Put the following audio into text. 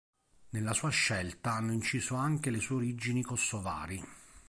Nella sua scelta hanno inciso anche le sue origini kosovari.